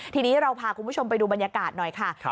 ทีนี้เราพาคุณผู้ชมไปดูบรรยากาศหน่อยค่ะ